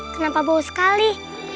kenapa bau sekali